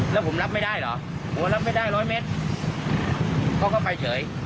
แล้วผมรับไม่ได้เหรอผมรับไม่ได้ร้อยเมตรเขาก็ไปเฉย